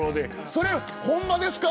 それ、ほんまですか。